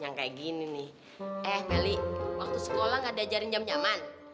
yang kayak gini nih eh meli waktu sekolah gak diajarin jam nyaman